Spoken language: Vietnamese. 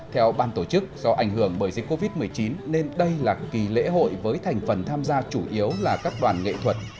theo ban tổ chức do ảnh hưởng bởi dịch covid một mươi chín nên đây là kỳ lễ hội với thành phần tham gia chủ yếu là các đoàn nghệ thuật